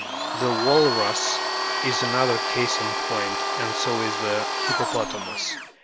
The Walrus is another case in point, and so is the Hippopotamus.